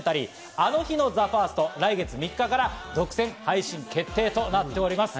『あの日のＴＨＥＦＩＲＳＴ』、来月３日から独占配信決定となっています。